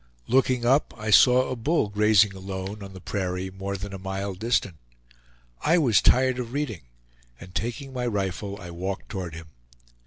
Looking up, I saw a bull grazing alone on the prairie more than a mile distant. I was tired of reading, and taking my rifle I walked toward him.